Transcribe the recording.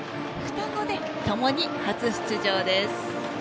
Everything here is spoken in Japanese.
双子でともに初出場です。